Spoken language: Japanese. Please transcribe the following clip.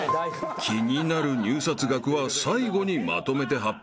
［気になる入札額は最後にまとめて発表するとして］